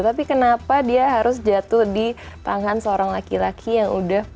tapi kenapa dia harus jatuh di tangan seorang laki laki yang udah